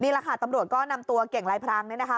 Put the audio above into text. นี่แหละค่ะตำรวจก็นำตัวเก่งลายพรางเนี่ยนะคะ